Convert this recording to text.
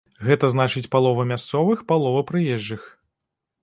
Гэта значыць палова мясцовых, палова прыезджых.